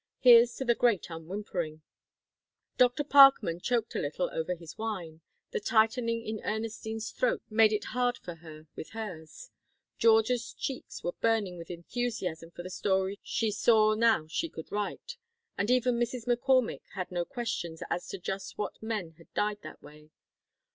Here's to the Great Unwhimpering!" Dr. Parkman choked a little over his wine, the tightening in Ernestine's throat made it hard for her with hers, Georgia's cheeks were burning with enthusiasm for the story she saw now she could write, and even Mrs. McCormick had no questions as to just what men had died that way.